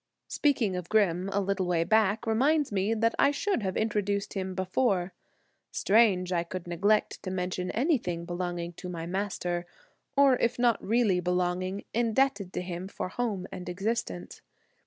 Speaking of Grim, a little way back, reminds me that I should have introduced him before. Strange I could neglect to mention anything belonging to my master, or if not really belonging, indebted to him for home and existence.